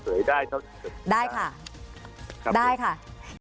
สวยได้ได้ค่ะได้ค่ะ